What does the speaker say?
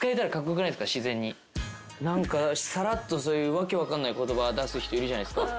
さらっとそういう訳分かんない言葉出す人いるじゃないっすか。